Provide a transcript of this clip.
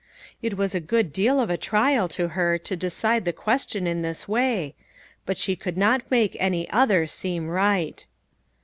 It was a good deal of a trial to her to decide the question in this way, but she could not make any other seem right.